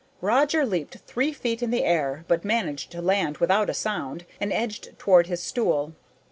Roger leaped three feet in the air, but managed to land without a sound and edged toward his stool.